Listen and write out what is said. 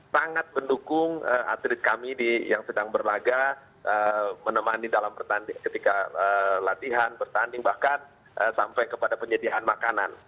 sangat mendukung atlet kami yang sedang berlaga menemani dalam pertandingan ketika latihan bertanding bahkan sampai kepada penyediaan makanan